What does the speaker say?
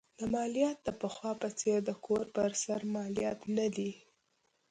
دا مالیات د پخوا په څېر د کور پر سر مالیات نه دي.